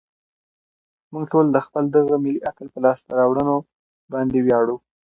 موږ ټول د خپل دغه ملي اتل په لاسته راوړنو باندې ویاړو.